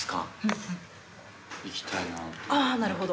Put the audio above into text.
ああなるほど。